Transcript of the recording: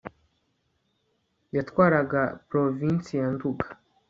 yatwaraga provinsi ya nduga